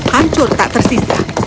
hancur tak tersisa